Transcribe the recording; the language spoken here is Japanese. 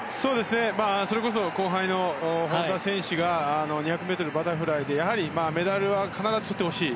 それこそ、後輩の本多選手が２００ｍバタフライでやはりメダルは必ずとってほしい。